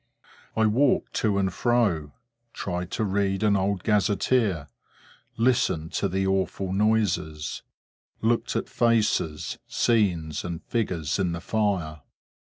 I walked to and fro, tried to read an old gazetteer, listened to the awful noises: looked at faces, scenes, and figures in the fire.